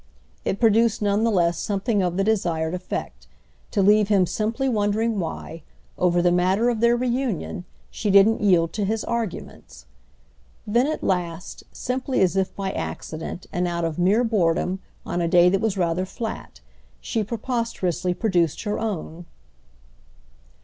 It produced none the less something of the desired effect—to leave him simply wondering why, over the matter of their reunion, she didn't yield to his arguments. Then at last, simply as if by accident and out of mere boredom on a day that was rather flat, she preposterously produced her own.